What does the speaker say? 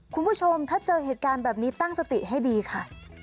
คุณผู้ชมถ้าเจอเหตุการณ์แบบนี้ตั้งสติให้ดีค่ะ